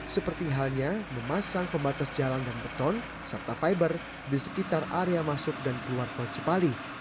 seperti halnya memasang pembatas jalan dan beton serta fiber di sekitar area masuk dan keluar tol cipali